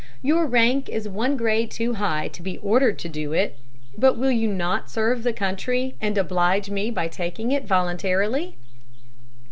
Your rank is one grade too high to be ordered to it; but will you not serve the country and oblige me by taking it voluntarily?"